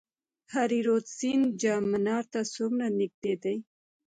هریرود سیند جام منار ته څومره نږدې دی؟